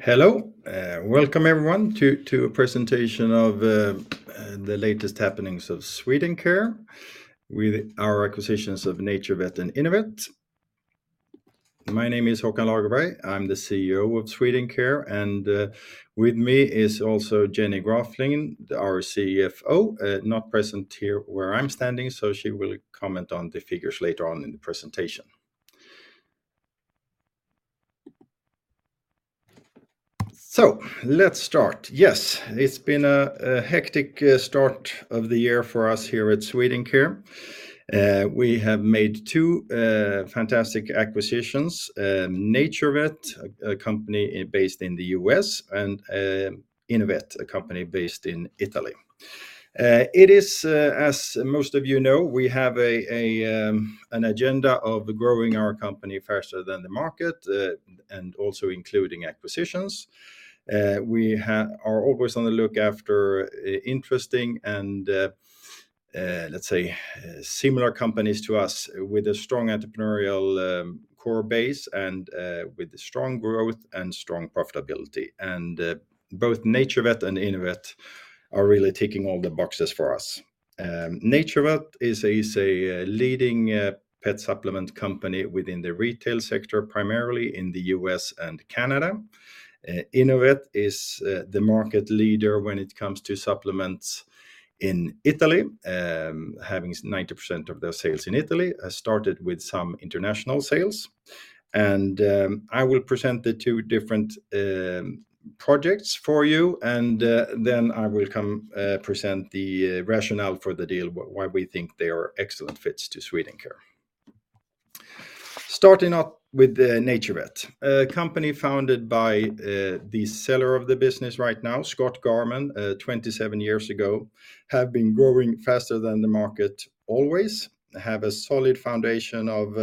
Hello. Welcome everyone to a presentation of the latest happenings of Swedencare with our acquisitions of NaturVet and Innovet. My name is Håkan Lagerberg, I'm the CEO of Swedencare, and with me is also Jenny Graflind, our CFO. Not present here where I'm standing, so she will comment on the figures later on in the presentation. Let's start. Yes, it's been a hectic start of the year for us here at Swedencare. We have made two fantastic acquisitions, NaturVet, a company based in the U.S., and Innovet, a company based in Italy. It is, as most of you know, we have an agenda of growing our company faster than the market and also including acquisitions. We are always on the lookout for interesting and let's say similar companies to us with a strong entrepreneurial core base and with strong growth and strong profitability. Both NaturVet and Innovet are really ticking all the boxes for us. NaturVet is a leading pet supplement company within the retail sector, primarily in the U.S. and Canada. Innovet is the market leader when it comes to supplements in Italy, having 90% of their sales in Italy, started with some international sales. I will present the two different projects for you, and then I will come to present the rationale for the deal, why we think they are excellent fits to Swedencare. Starting off with the NaturVet. A company founded by the seller of the business right now, Scott Garmon, 27 years ago. Have been growing faster than the market always. Have a solid foundation of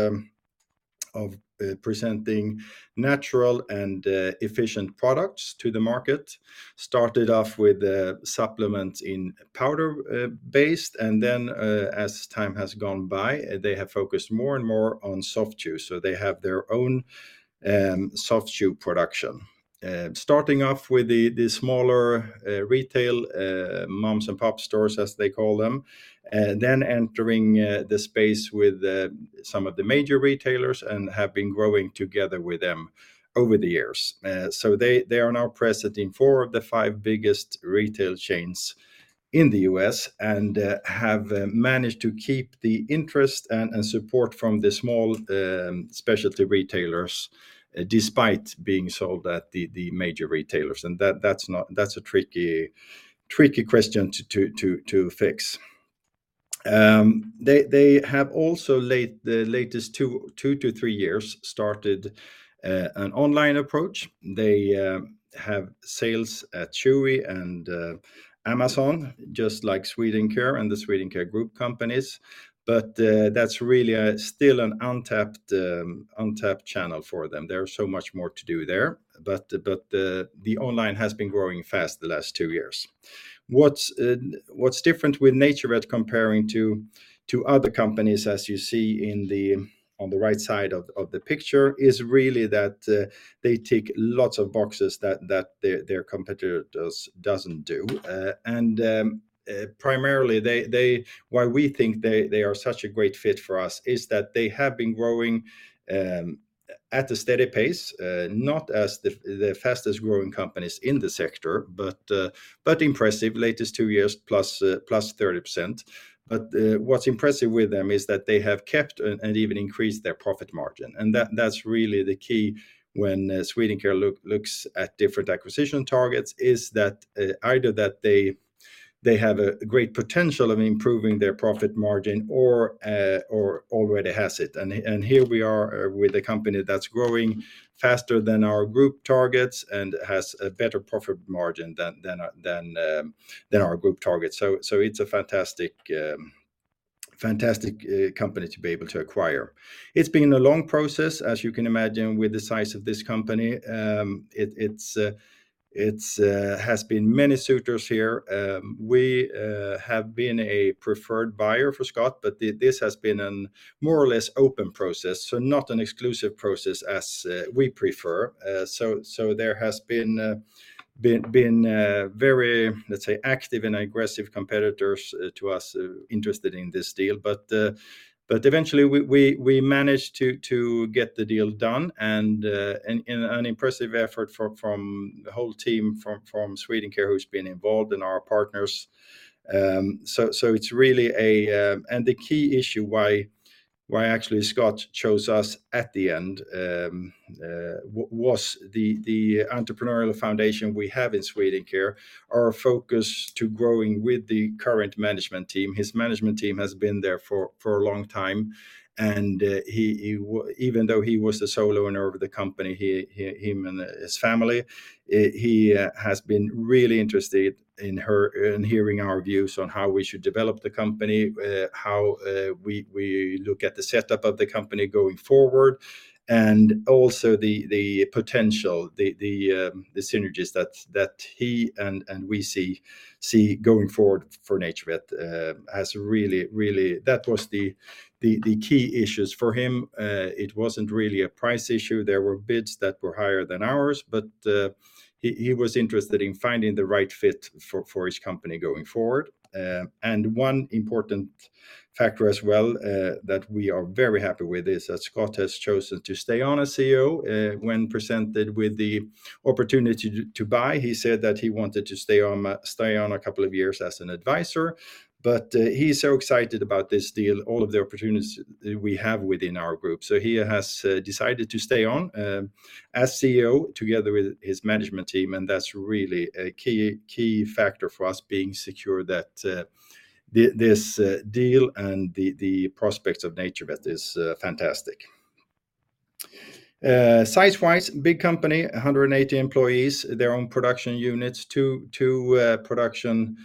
presenting natural and efficient products to the market. Started off with supplements in powder based and then, as time has gone by, they have focused more and more on soft chews, so they have their own soft chew production. Starting off with the smaller retail mom and pop stores as they call them, then entering the space with some of the major retailers and have been growing together with them over the years. They are now present in four of the five biggest retail chains in the U.S. and have managed to keep the interest and support from the small specialty retailers despite being sold at the major retailers. That's a tricky question to fix. They have also in the latest two to three years started an online approach. They have sales at Chewy and Amazon, just like Swedencare and the Swedencare Group companies. That's really still an untapped channel for them. There is so much more to do there, but the online has been growing fast the last two years. What's different with NaturVet compared to other companies, as you see on the right side of the picture, is really that they tick lots of boxes that their competitor doesn't do. Primarily, they why we think they are such a great fit for us is that they have been growing at a steady pace, not as the fastest-growing companies in the sector, but impressive. Latest two years, plus 30%. What's impressive with them is that they have kept and even increased their profit margin. That's really the key when Swedencare looks at different acquisition targets, is that either that they have a great potential of improving their profit margin or already has it. Here we are with a company that's growing faster than our group targets and has a better profit margin than our group targets. It's a fantastic company to be able to acquire. It's been a long process, as you can imagine, with the size of this company. There have been many suitors here. We have been a preferred buyer for Scott, but this has been a more or less open process, so not an exclusive process as we prefer. There has been very, let's say, active and aggressive competitors to us interested in this deal. Eventually we managed to get the deal done and an impressive effort from the whole team from Swedencare who's been involved and our partners. It's really the key issue why actually Scott chose us at the end was the entrepreneurial foundation we have in Swedencare, our focus to growing with the current management team. His management team has been there for a long time, and he even though he was the solo owner of the company, him and his family, he has been really interested in hearing our views on how we should develop the company, how we look at the setup of the company going forward, and also the potential, the synergies that he and we see going forward for NaturVet, as really really. That was the key issues for him. It wasn't really a price issue. There were bids that were higher than ours, but he was interested in finding the right fit for his company going forward. One important factor as well that we are very happy with is that Scott has chosen to stay on as CEO. When presented with the opportunity to buy, he said that he wanted to stay on a couple of years as an advisor. He's so excited about this deal, all of the opportunities that we have within our group, so he has decided to stay on as CEO together with his management team, and that's really a key factor for us being secure that this deal and the prospects of NaturVet is fantastic. Size-wise, big company, 180 employees, their own production units—two production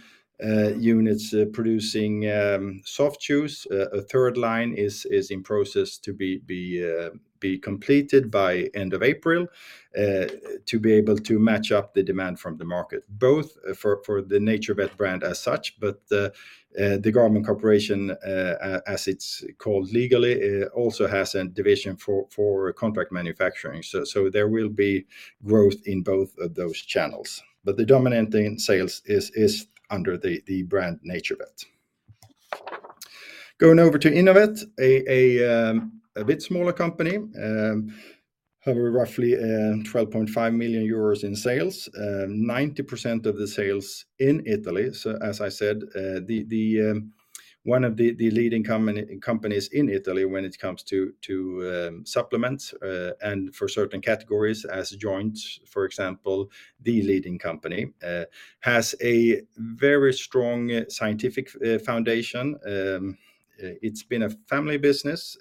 units producing soft chews. A third line is in process to be completed by end of April to be able to match up the demand from the market, both for the NaturVet brand as such, but the Garmon Corporation, as it's called legally, also has a division for contract manufacturing. There will be growth in both of those channels. The dominant thing in sales is under the brand NaturVet. Going over to Innovet, a bit smaller company, have roughly €12.5 million in sales, 90% of the sales in Italy. As I said, one of the leading companies in Italy when it comes to supplements, and for certain categories, as joints, for example, the leading company has a very strong scientific foundation. It's been a family business,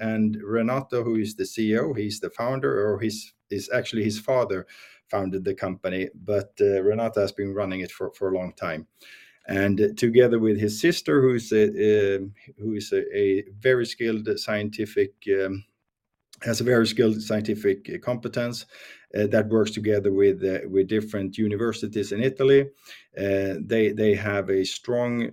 and Renato, who is the CEO, he's the founder or he's. It's actually his father founded the company. Renato has been running it for a long time. Together with his sister, who is a very skilled scientist has a very skilled scientific competence that works together with different universities in Italy. They have a strong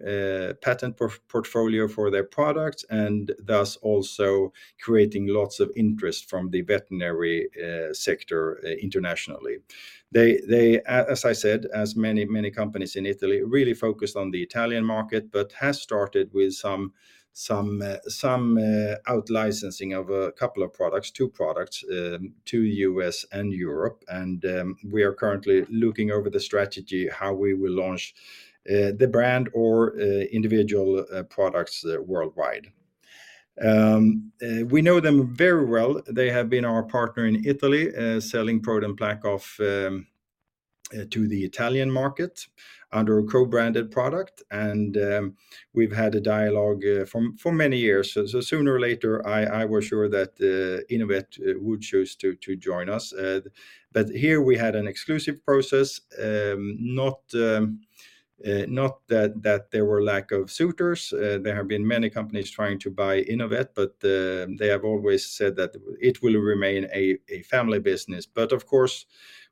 patent portfolio for their products, and thus also creating lots of interest from the veterinary sector internationally. As I said, as many companies in Italy really focused on the Italian market but has started with some out-licensing of a couple of products, two products to the U.S. and Europe. We are currently looking over the strategy how we will launch the brand or individual products worldwide. We know them very well. They have been our partner in Italy selling ProDen PlaqueOff to the Italian market under a co-branded product. We've had a dialogue for many years. Sooner or later I was sure that Innovet would choose to join us. But here we had an exclusive process not that there were lack of suitors. There have been many companies trying to buy Innovet, but they have always said that it will remain a family business. Of course,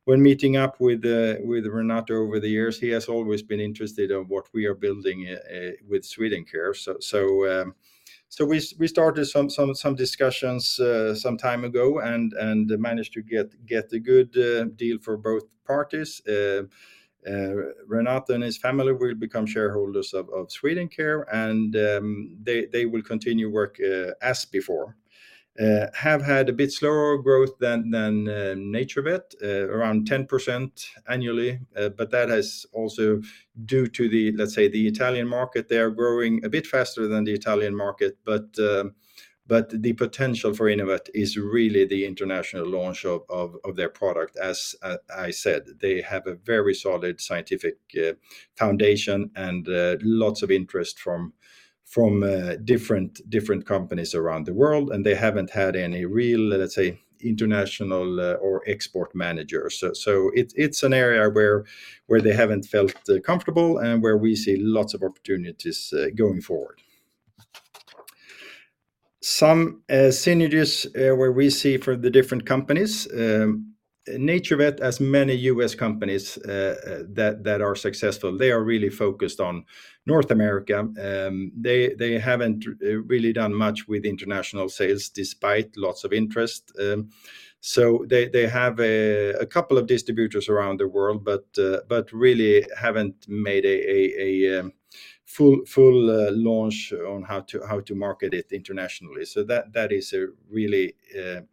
when meeting up with Renato over the years, he has always been interested in what we are building with Swedencare. We started some discussions some time ago and managed to get a good deal for both parties. Renato and his family will become shareholders of Swedencare, and they will continue work as before. It has had a bit slower growth than NaturVet, around 10% annually. That is also due to the, let's say, Italian market. They are growing a bit faster than the Italian market, but the potential for Innovet is really the international launch of their product. As I said, they have a very solid scientific foundation and lots of interest from different companies around the world, and they haven't had any real, let's say, international or export manager. It's an area where they haven't felt comfortable and where we see lots of opportunities going forward. Some synergies where we see for the different companies, NaturVet, as many U.S. companies that are successful, they are really focused on North America. They haven't really done much with international sales despite lots of interest. They have a couple of distributors around the world but really haven't made a full launch on how to market it internationally. That is a really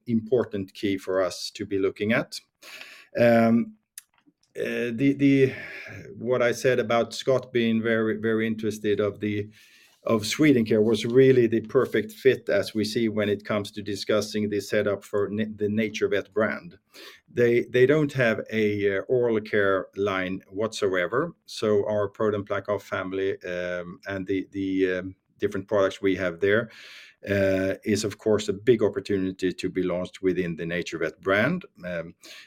important key for us to be looking at. What I said about Scott being very interested in the Swedencare was really the perfect fit as we see when it comes to discussing the setup for the NaturVet brand. They don't have a oral care line whatsoever, so our ProDen PlaqueOff family and the different products we have there is of course a big opportunity to be launched within the NaturVet brand.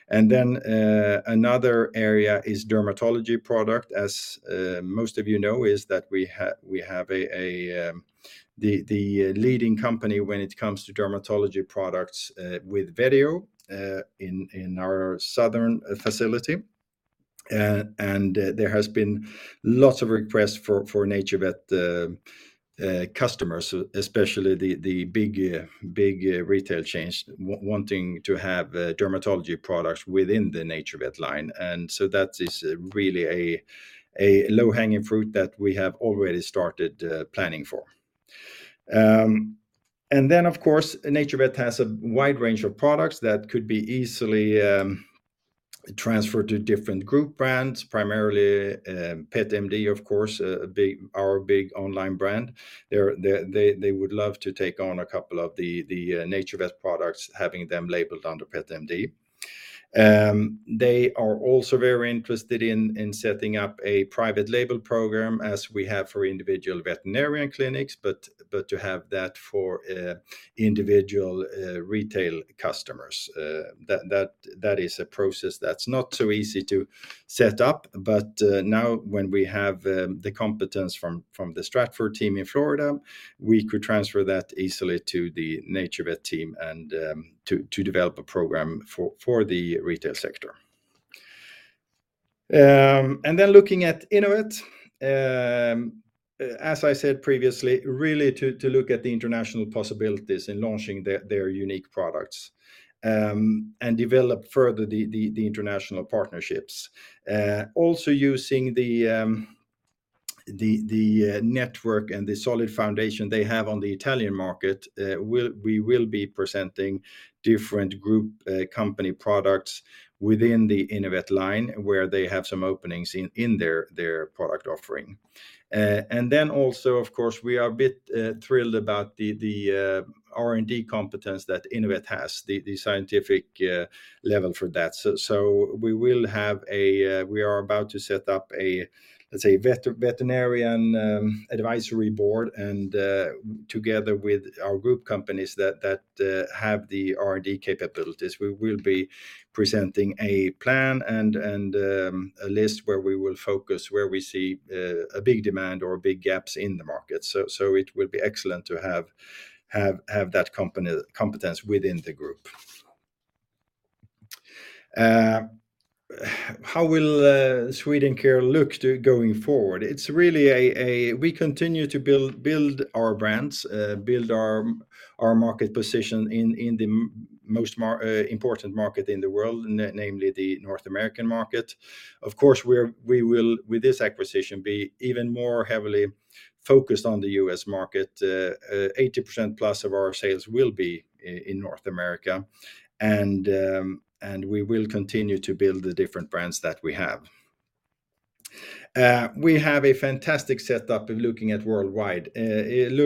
Another area is dermatology product. As most of you know, we have the leading company when it comes to dermatology products with Vetio in our southern facility. There has been lots of requests from NaturVet customers, especially the big retail chains wanting to have dermatology products within the NaturVet line. That is really a low-hanging fruit that we have already started planning for. Of course, NaturVet has a wide range of products that could be easily transferred to different group brands, primarily PetMD, our big online brand. They would love to take on a couple of the NaturVet products, having them labeled under PetMD. They are also very interested in setting up a private label program as we have for individual veterinarian clinics, but to have that for individual retail customers. That is a process that's not so easy to set up. Now when we have the competence from the Stratford team in Florida, we could transfer that easily to the NaturVet team and to develop a program for the retail sector. Then looking at Innovet, as I said previously, really to look at the international possibilities in launching their unique products, and develop further the international partnerships. Also using the network and the solid foundation they have on the Italian market, we will be presenting different group company products within the Innovet line where they have some openings in their product offering. Then also, of course, we are a bit thrilled about the R&D competence that Innovet has, the scientific level for that. We are about to set up a, let's say, veterinarian advisory board, and, together with our group companies that have the R&D capabilities, we will be presenting a plan and a list where we will focus, where we see a big demand or big gaps in the market. It will be excellent to have that company competence within the group. How will Swedencare look going forward? It's really. We continue to build our brands, build our market position in the most important market in the world, namely the North American market. Of course, we will, with this acquisition, be even more heavily focused on the U.S. market. 80%+ of our sales will be in North America, and we will continue to build the different brands that we have. We have a fantastic setup in looking at worldwide.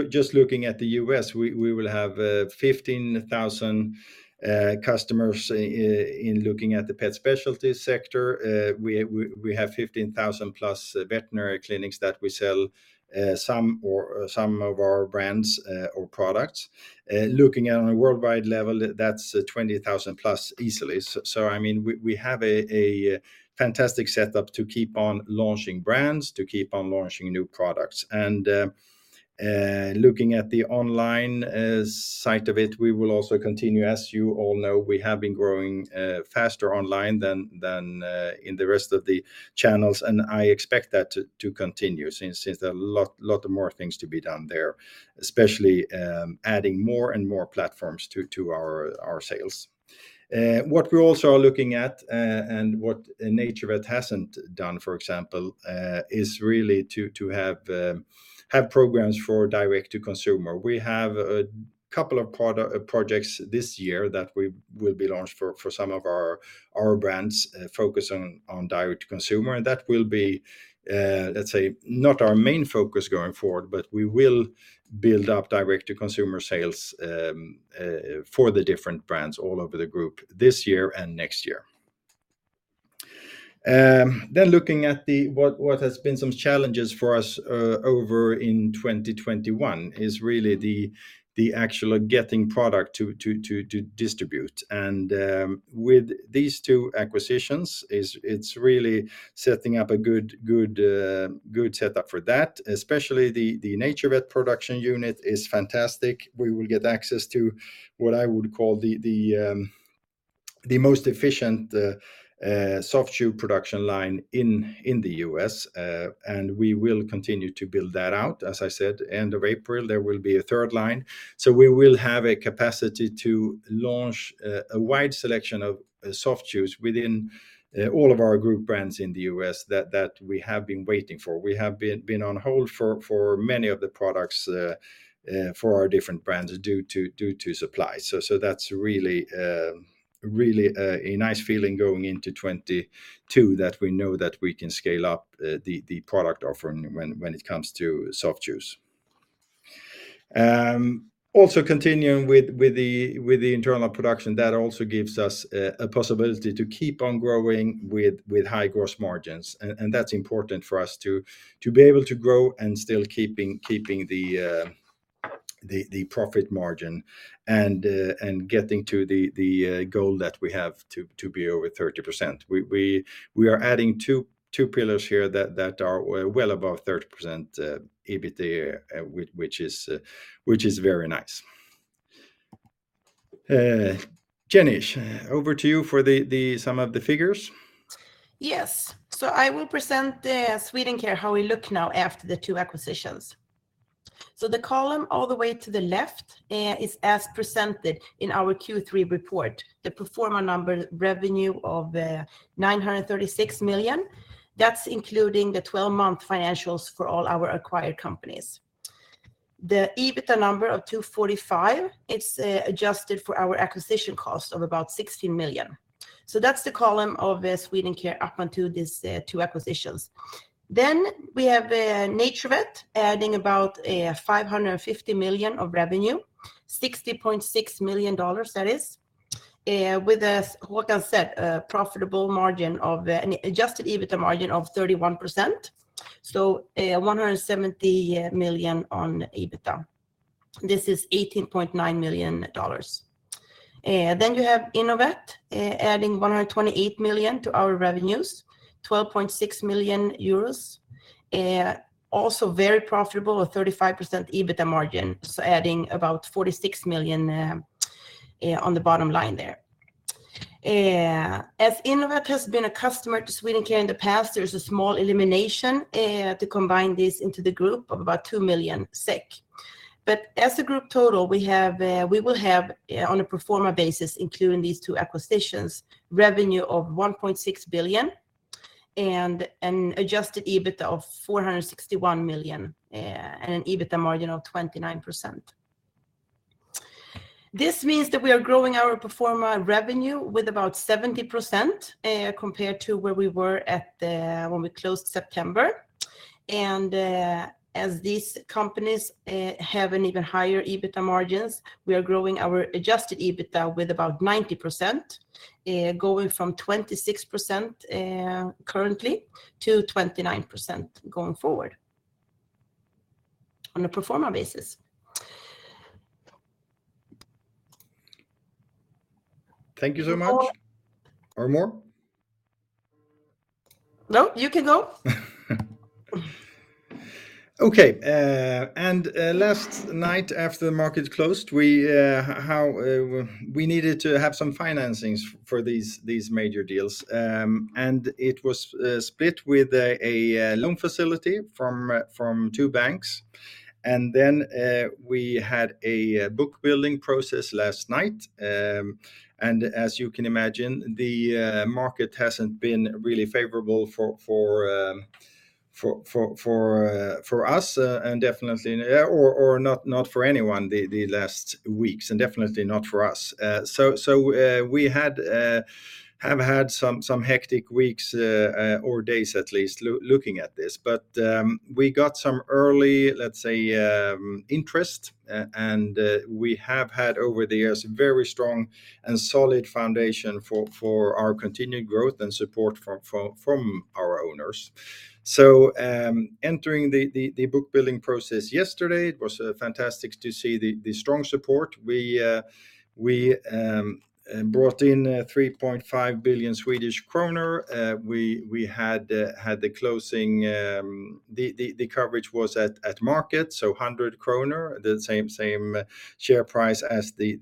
Just looking at the U.S., we will have 15,000 customers in the pet specialty sector. We have 15,000+ veterinary clinics that we sell some of our brands or products. Looking at on a worldwide level, that's 20,000+ easily. I mean, we have a fantastic setup to keep on launching brands, to keep on launching new products. Looking at the online side of it, we will also continue. As you all know, we have been growing faster online than in the rest of the channels, and I expect that to continue since there are a lot of more things to be done there, especially adding more and more platforms to our sales. What we also are looking at, and what NaturVet hasn't done, for example, is really to have programs for direct-to-consumer. We have a couple of projects this year that will be launched for some of our brands, focused on direct-to-consumer. That will be, let's say, not our main focus going forward, but we will build up direct-to-consumer sales for the different brands all over the group this year and next year. Looking at what has been some challenges for us in 2021 is really the actual getting product to distribute. With these two acquisitions, it's really setting up a good setup for that, especially the NaturVet production unit is fantastic. We will get access to what I would call the most efficient soft chew production line in the U.S., and we will continue to build that out. As I said, end of April, there will be a third line. We will have a capacity to launch a wide selection of soft chews within all of our group brands in the U.S. that we have been waiting for. We have been on hold for many of the products for our different brands due to supply. That's really a nice feeling going into 2022 that we know that we can scale up the product offering when it comes to soft chews. Also continuing with the internal production, that also gives us a possibility to keep on growing with high gross margins. That's important for us to be able to grow and still keeping the profit margin and getting to the goal that we have to be over 30%. We are adding two pillars here that are well above 30% EBITDA, which is very nice. Jenny Graflind, over to you for the sum of the figures. Yes. I will present the Swedencare, how we look now after the two acquisitions. The column all the way to the left is as presented in our Q3 report, the pro forma number revenue of 936 million. That's including the 12-month financials for all our acquired companies. The EBITDA number of 245, it's adjusted for our acquisition cost of about 16 million. That's the column of Swedencare up until these two acquisitions. Then we have NaturVet adding about 550 million of revenue, $60.6 million that is, with a, Håkan said, a profitable margin of an Adjusted EBITDA margin of 31%. a $170 million on EBITDA. This is $18.9 million. Then you have Innovet, adding 128 million to our revenues, 12.6 million euros. Also very profitable with 35% EBITDA margin, so adding about 46 million on the bottom line there. As Innovet has been a customer to Swedencare in the past, there's a small elimination to combine this into the group of about 2 million SEK. As a group total, we have, we will have, on a pro forma basis, including these two acquisitions, revenue of 1.6 billion and Adjusted EBITDA of 461 million, and an EBITDA margin of 29%. This means that we are growing our pro forma revenue with about 70%, compared to where we were at, when we closed September. As these companies have an even higher EBITDA margins, we are growing our Adjusted EBITDA with about 90%, going from 26% currently, to 29% going forward on a pro forma basis. Thank you so much. more? More. No, you can go. Okay. Last night after the market closed, we needed to have some financings for these major deals. It was split with a loan facility from two banks. We had a book-building process last night. As you can imagine, the market hasn't been really favorable for us, and definitely not for anyone the last weeks, and definitely not for us. We have had some hectic weeks, or days at least, looking at this. We got some early, let's say, interest, and we have had over the years a very strong and solid foundation for our continued growth and support from our owners. Entering the book-building process yesterday, it was fantastic to see the strong support. We brought in 3.5 billion Swedish kronor. We had the closing, the coverage was at market, so 100 kronor, the same share price as the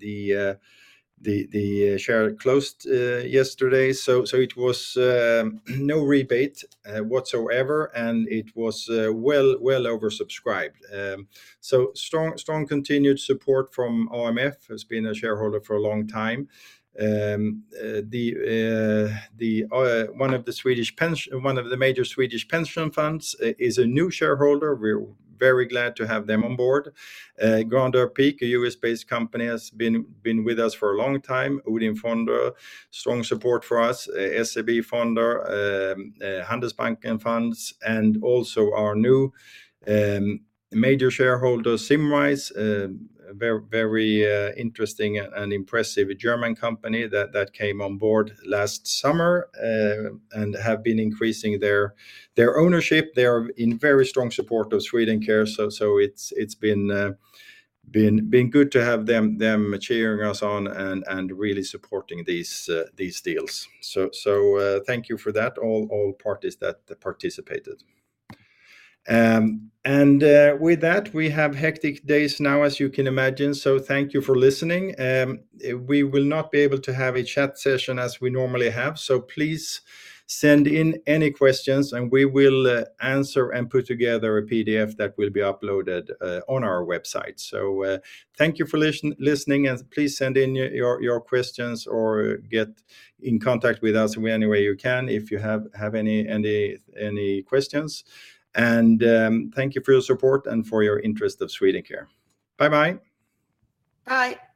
share closed yesterday. It was no rebate whatsoever, and it was well oversubscribed. Strong continued support from AMF, who's been a shareholder for a long time. One of the major Swedish pension funds is a new shareholder. We're very glad to have them on board. Grandeur Peak, a U.S.-based company, has been with us for a long time. ODIN Fonder, strong support for us. SEB Fonder, Handelsbanken Funds, and also our new major shareholder, Symrise, a very interesting and impressive German company that came on board last summer and have been increasing their ownership. They are in very strong support of Swedencare, so it's been good to have them cheering us on and really supporting these deals. Thank you for that, all parties that participated. With that, we have hectic days now, as you can imagine, so thank you for listening. We will not be able to have a chat session as we normally have, so please send in any questions, and we will answer and put together a PDF that will be uploaded on our website. Thank you for listening, and please send in your questions or get in contact with us any way you can if you have any questions. Thank you for your support and for your interest in Swedencare. Bye-bye. Bye.